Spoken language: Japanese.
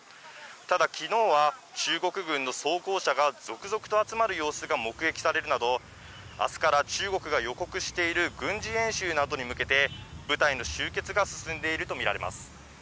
ただ、きのうは中国軍の装甲車が続々と集まる様子が目撃されるなど、あすから中国が予告している軍事演習などに向けて、部隊の集結が進んでいると見られます。